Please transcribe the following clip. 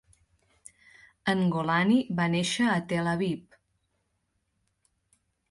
En Golani va néixer a Tel Aviv.